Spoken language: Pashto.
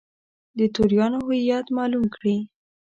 د توریانو هویت معلوم کړي.